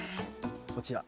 こちら。